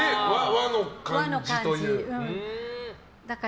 和の感じというか。